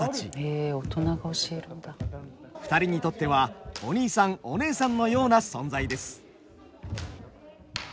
２人にとってはお兄さんお姉さんのような存在です。